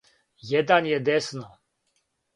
један је десно